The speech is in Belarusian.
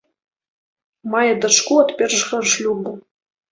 Мае дачку ад першага шлюбу.